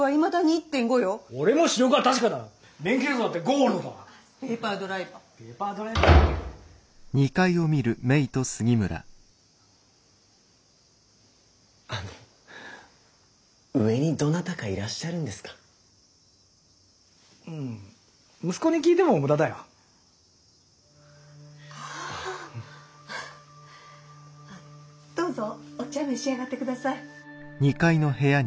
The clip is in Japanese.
どうぞお茶召し上がってください。